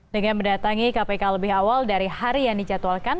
dengan mendatangi kpk lebih awal dari hari yang dijadwalkan